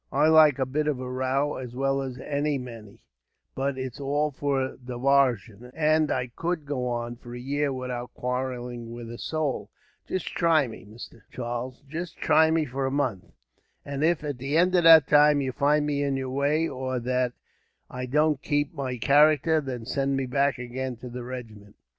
I like a bit of a row as well as any many, but it's all for divarsion; and I could go on, for a year, without quarrelling with a soul. Just try me, Mr. Charles. Just try me for a month, and if, at the end of that time, you find me in your way; or that I don't keep my character, then send me back agin to the regiment."